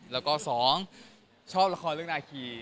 แล้วก็๒ชอบละครเรื่องนาคี